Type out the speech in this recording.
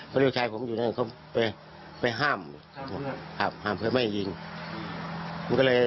พ่อบอกว่าพ่อบอกว่าพ่อบอกว่า